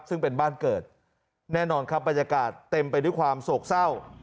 ซึ่งเป็นบ้านเกิดแน่นอนครับบรรยากาศเต็มไปด้วยความโศกเศร้า